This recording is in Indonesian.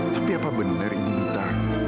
tapi apa benar ini mita